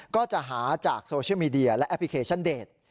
ก็จะหาจากโซเชียลมีเดียและแอปพลิเคชันเดท